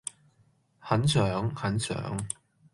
很想....很想....